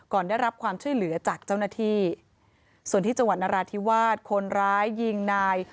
ได้รับความช่วยเหลือจากเจ้าหน้าที่ส่วนที่จังหวัดนราธิวาสคนร้ายยิงนาย